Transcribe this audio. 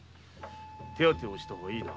手当てをしたほうがいいな。